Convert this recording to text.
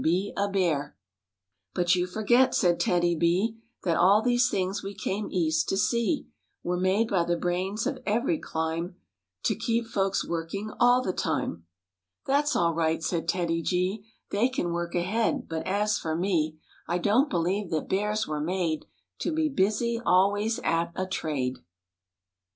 ^ M •//*:» 144 MORE ABOUT THE ROOSEVELT BEARS " But you forget," said TEDDY B, "That all these things we came East to see Were made by the brains of every clime To keep folks working all the time." "That's all right," said TEDDY G, " They can work ahead, but as for me I don't believe that bears were made To be busy always at a trade."